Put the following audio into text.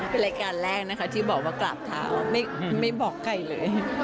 เป็นรายการแรกนะคะที่บอกว่ากราบเท้าไม่บอกใครเลย